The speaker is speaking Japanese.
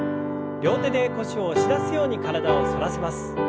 両手で腰を押し出すように体を反らせます。